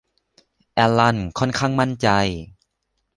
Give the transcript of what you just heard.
แอลลันค่อนข้างมั่นใจ